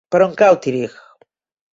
Per on cau Tírig?